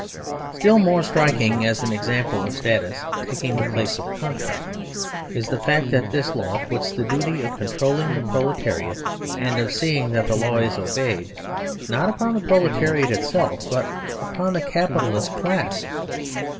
(b) Still morestriking.as an example of status tak ing the place of contract, is the fact that this law puts the duty of controlling the proletariat and of seeing that the law is obeyed not upon the proletariat itself, but upon the Capitalist class.